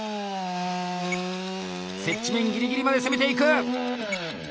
接地面ギリギリまで攻めていく！